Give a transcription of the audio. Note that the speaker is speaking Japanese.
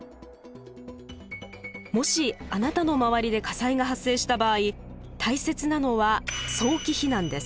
もしあなたの周りで火災が発生した場合大切なのは早期避難です。